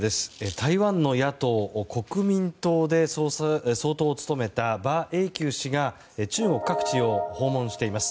台湾の野党・国民党で総統を務めた馬英九氏が中国各地を訪問しています。